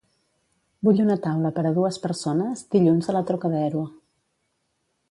Vull una taula per a dues persones dilluns a La Trocadero.